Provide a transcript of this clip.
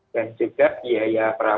dan juga biaya perawatan